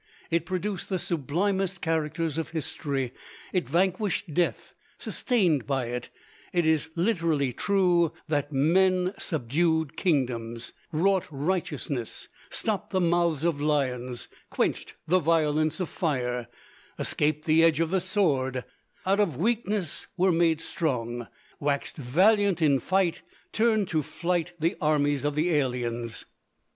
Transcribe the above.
It produced the sublimest characters of history; it vanquished death. Sustained by it, it is literally true that men "subdued kingdoms, wrought righteousness, stopped the mouths of lions, quenched the violence of fire, escaped the edge of the sword; out of weakness were made strong, waxed valiant in fight, turned to flight the armies of the aliens."